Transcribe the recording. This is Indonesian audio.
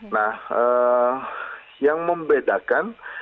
nah yang membedakan